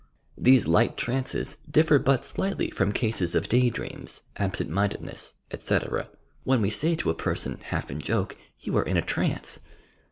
These light trances differ but slightly from cases of day dreams, absent miadedness, etc., when we say to a person, half in joke: "You are in a trance!"